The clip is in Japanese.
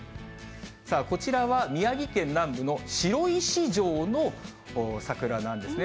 こちらは宮城県南部の白石城の桜なんですね。